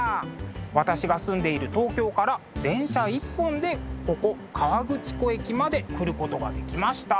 私が住んでいる東京から電車１本でここ河口湖駅まで来ることができました。